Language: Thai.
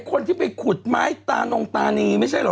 คนที่ไปขุดไม้ตานงตานีไม่ใช่เหรอ